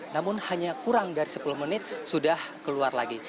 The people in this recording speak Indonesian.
namun hanya kurang dari sepuluh menit sudah keluar lagi